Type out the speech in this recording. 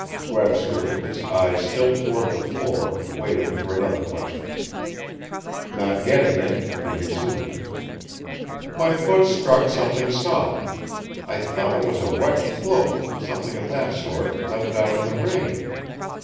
Webster, his eyes still toward the floor, waited for another question. Not getting it, he resumed: "My foot struck something soft. I thought it was a wet cloak, something of that sort, left out in the rain.